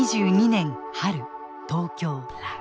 ２０２２年春東京。